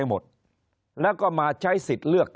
คนในวงการสื่อ๓๐องค์กร